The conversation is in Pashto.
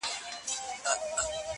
د پاچا په امیرانو کي امیر وو!!